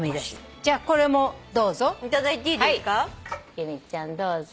由美ちゃんどうぞ。